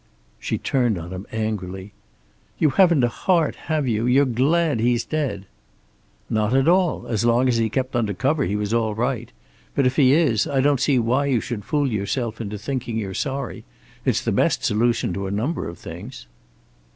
She turned on him angrily. "You haven't a heart, have you? You're glad he's dead." "Not at all. As long as he kept under cover he was all right. But if he is, I don't see why you should fool yourself into thinking you're sorry. It's the best solution to a number of things."